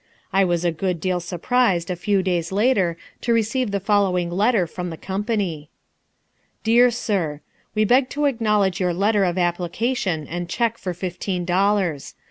I was a good deal surprised a few days later to receive the following letter from the company: "DEAR SIR, We beg to acknowledge your letter of application and cheque for fifteen dollars.